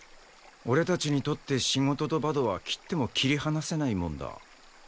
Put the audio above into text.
俺たちにとって仕事とバドは切っても切り離せないもんだ。